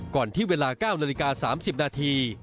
ก่อนที่เวลา๙นาฬิกา๓๐นาที